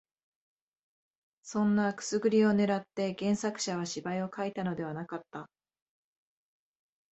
そんなくすぐりを狙って原作者は芝居を書いたのではなかった